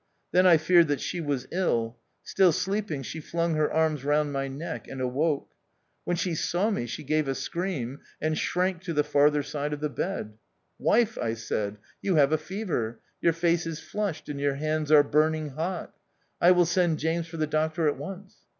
Then I feared that she was ill. Still sleeping, she flung her arms round my neck, and awoke. When she saw me she gave a scream, and shrank to the farther side of the bed. Wife, I said, you 68 THE OUTCAST. have a fever ; your face is flushed, aud your hands are burning hot ; I will send James for the doctor at once.